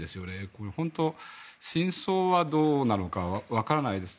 これ、本当、真相はどうなのかわからないです。